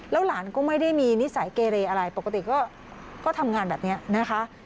หลานก็ไม่ได้มีนิสัยเกเรอะไรปกติก็ทำงานแบบนี้นะคะ